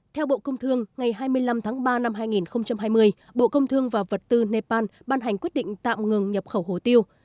theo bộ công thương ngày hai mươi năm tháng ba năm hai nghìn hai mươi bộ công thương và vật tư nepal ban hành quyết định tạm ngừng nhập khẩu hồ tiêu